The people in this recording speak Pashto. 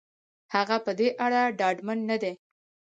هغه په دې اړه ډاډمن نه دی.